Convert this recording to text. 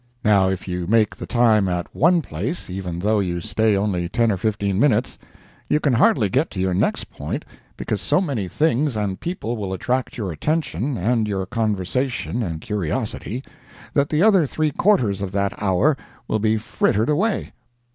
Now if you make the time at one place, even though you stay only ten or fifteen minutes, you can hardly get to your next point, because so many things and people will attract your attention and your conversation and curiosity, that the other three quarters of that hour will be frittered away.